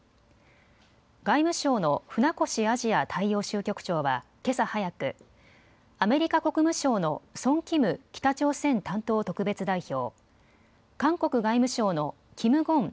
外務省の船越アジア大洋州局長はけさ早く、アメリカ国務省のソン・キム北朝鮮担当特別代表、韓国外務省のキム・ゴン